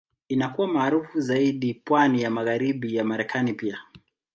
Inakuwa maarufu zaidi pwani ya Magharibi ya Marekani pia.